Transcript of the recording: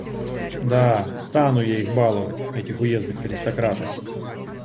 Да, стану я их баловать, этих уездных аристократов!